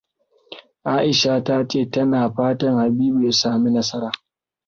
Aisha ta ce tana fatan Habibu ya sami nasara.